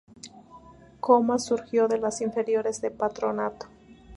Comas surgió de las inferiores de Patronato.